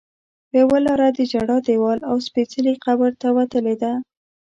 یوه لاره د ژړا دیوال او سپېڅلي قبر ته وتلې ده.